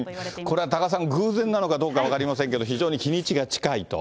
これ、多賀さん、偶然なのか分かりませんけれども、非常に日にちが近いと。